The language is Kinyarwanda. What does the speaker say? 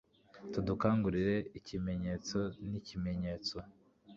T udukangure ikimenyetso nikimenyetso